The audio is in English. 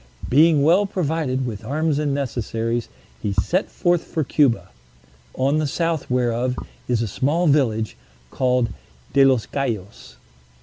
Being well provided with arms and necessaries, he set forth for Cuba, on the south whereof is a small village, called De los Cayos.